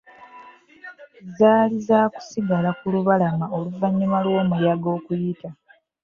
Zaali zaakusigala ku lubalama oluvannyuma lw'omuyaga okuyita.